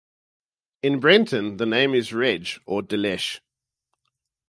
In Breton, the name is "reg" or "delech".